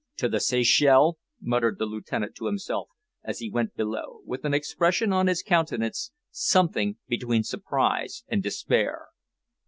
"To the Seychelles!" muttered the Lieutenant to himself as he went below, with an expression on his countenance something between surprise and despair.